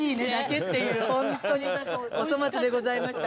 お粗末でございました。